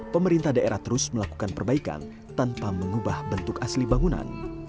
pemerintah daerah terus melakukan perbaikan tanpa mengubah bentuk asli bangunan